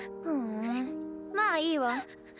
ふんまあいいわ。